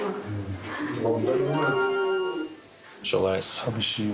寂しいわ。